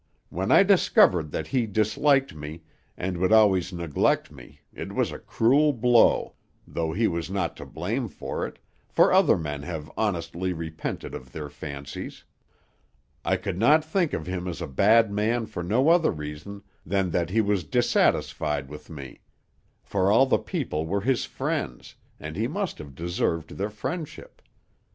When I discovered that he disliked me, and would always neglect me, it was a cruel blow, though he was not to blame for it, for other men have honestly repented of their fancies. I could not think of him as a bad man for no other reason than that he was dissatisfied with me; for all the people were his friends, and he must have deserved their friendship.